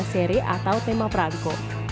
lima belas seri atau tema perangko